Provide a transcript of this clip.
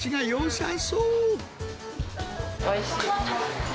おいしい。